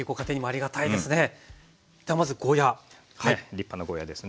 立派なゴーヤーですね。